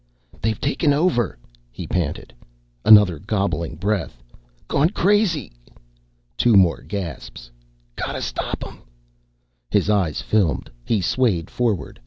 "They've taken over," he panted. Another gobbling breath. "Gone crazy." Two more gasps. "Gotta stop 'em." His eyes filmed. He swayed forward.